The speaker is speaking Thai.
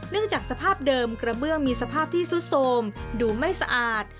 จากสภาพเดิมกระเบื้องมีสภาพที่สุดโทรมดูไม่สะอาด